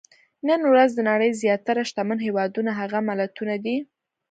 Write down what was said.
نن ورځ د نړۍ زیاتره شتمن هېوادونه هغه ملتونه دي.